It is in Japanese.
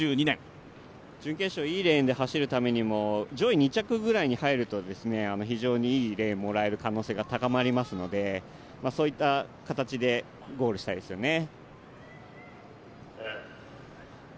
準決勝いいレーンで走るためにも上位２着ぐらいに入ると非常にいいレーンに入れる可能性が高まりますのでそういった形でゴールしたいですね。